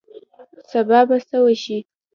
سبا به څه وشي